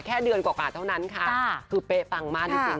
แค่เดือนกว่าเท่านั้นค่ะคือเป๊ะปังมากจริง